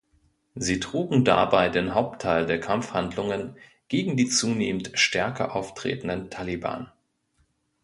Sie trugen dabei den Hauptteil der Kampfhandlungen gegen die zunehmend stärker auftretenden Taliban.